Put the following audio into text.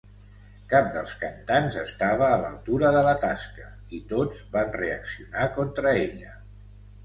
Cap dels cantants estava a l'altura de la tasca i tots van reaccionar contra ella.